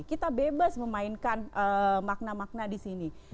kita bebas memainkan makna makna di sini